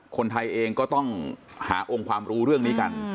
คนไทยเองก็ต้องหาองค์ความรู้เรื่องนี้กัน